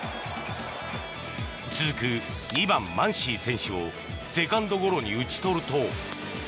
続く２番、マンシー選手をセカンドゴロに打ち取ると。